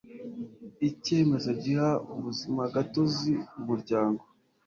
icyemezo giha ubuzimagatozi umuryango